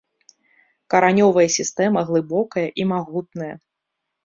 Каранёвая сістэма глыбокая і магутная.